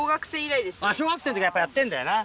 小学生の時やっぱやってんだよな。